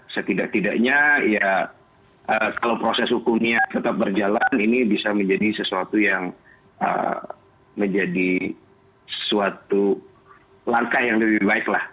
setidak tidaknya ya kalau proses hukumnya tetap berjalan ini bisa menjadi sesuatu yang menjadi suatu langkah yang lebih baik lah